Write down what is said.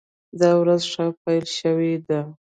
دا ورځ ښه پیل شوې ده.